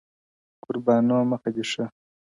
قربانو مخه دي ښه،